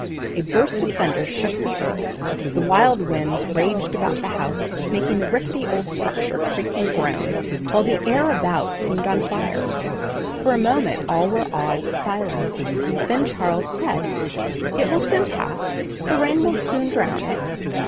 A burst of thunder shook the earth; the wild winds raged about the house, making the rickety old structure creak and groan, while the air about seemed on fire. For a moment all were awed to silence; then Charles said: "It will soon pass. The rain will soon drown it."